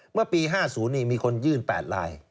เมื่อปี๕๐มีคนยื่น๘ลาย